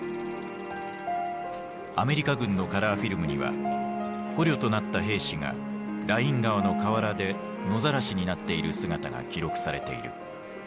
アメリカ軍のカラーフィルムには捕虜となった兵士がライン川の河原で野ざらしになっている姿が記録されている。